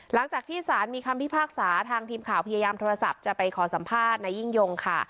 หลังจากที่สารมีคำพิพากษาทางทีมข่าวพยายามโทรศัพท์จะไปขอสัมภาษณ์นายยิ่งยงค่ะ